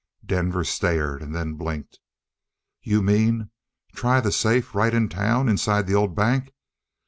Denver stared, and then blinked. "You mean, try the safe right in town, inside the old bank?